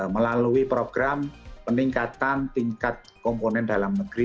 melalui program peningkatan tingkat komponen dalam negeri